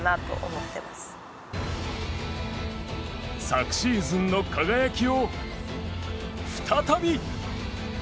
昨シーズンの輝きを、再び！